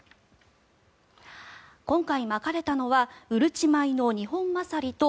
今回まかれたのはうるち米のニホンマサリと